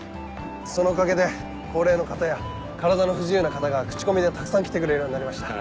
そのおかげで高齢の方や体の不自由な方がクチコミでたくさん来てくれるようになりました。